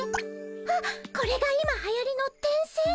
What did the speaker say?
あっこれが今はやりの転生？